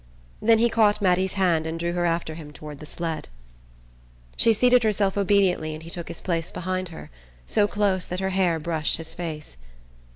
Then he caught Mattie's hand and drew her after him toward the sled. She seated herself obediently and he took his place behind her, so close that her hair brushed his face.